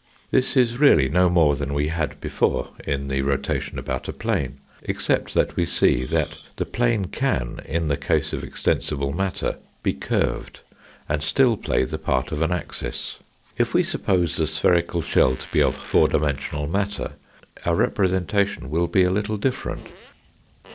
This is really no more than we had before in the rotation about a plane, except that we see that the plane can, in the case of extensible matter, be curved, and still play the part of an axis. If we suppose the spherical shell to be of four dimen sional matter, our representation will be a little different.